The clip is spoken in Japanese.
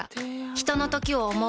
ひとのときを、想う。